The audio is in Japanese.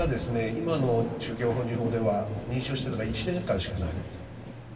今の宗教法人法では認証してから１年間しかないんです。